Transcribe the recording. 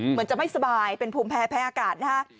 เหมือนจะไม่สบายเป็นภูมิแพ้แพ้อากาศนะฮะ